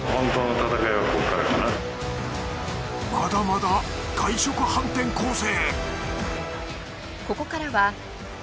まだまだ外食反転攻勢！